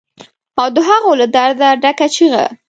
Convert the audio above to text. او د هغو له درده ډکه چیغه